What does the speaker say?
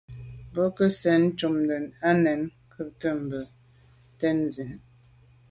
Bwɔ́ŋkə́’ cɛ̌d cúptə́ â nə̀ cúptə́ bú gə́ tɛ̌n zí.